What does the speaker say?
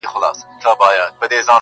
یو سړی په اصفهان کي دوکاندار وو٫